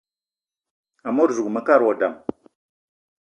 Amot zuga mekad wa dam: